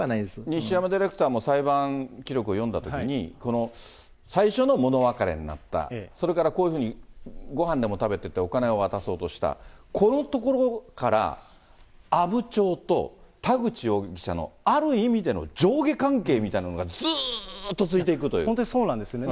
西山ディレクターも裁判記録を読んだときに、最初の物別れになった、それからこういうふうにごはんでも食べてって、お金を渡そうとした、このところから阿武町と田口容疑者のある意味での上下関係みたい本当そうなんですよね。